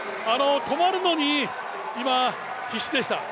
止まるのに今、必死でした。